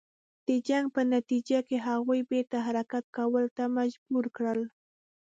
د جنګ په نتیجه کې هغوی بیرته حرکت کولو ته مجبور کړل.